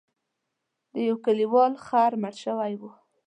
د یو کلیوال خر مړ شوی و.